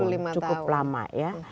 untuk tiga puluh lima tahun cukup lama ya